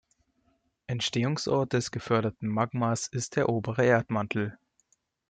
Entstehungsort des geförderten Magmas ist der obere Erdmantel.